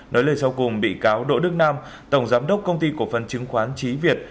nói lời sau cùng bị cáo đỗ đức nam tổng giám đốc công ty cổ phần chứng khoán trí việt